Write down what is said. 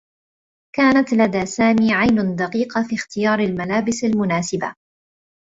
كانت لدى سامي عين دقيقة في اختيار الملابس المناسبة.